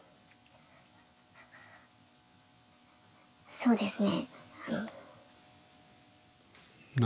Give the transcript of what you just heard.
そうですね。